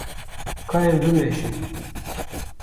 Ka em bimeşin.